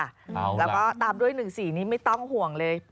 แล้วก็ตามด้วยหนึ่งสี่นี้ไม่ต้องห่วงเลย